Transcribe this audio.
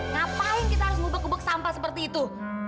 ngapain kita harus mumpuk mumpuk sampah seperti itu